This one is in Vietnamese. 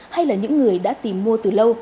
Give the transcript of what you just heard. hay là những người đã tìm mua từ lâu